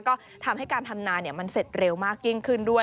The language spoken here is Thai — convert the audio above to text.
ก็ทำให้การทำนามันเสร็จเร็วมากยิ่งขึ้นด้วย